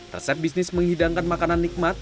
resep bisnis menghidangkan makanan nikmat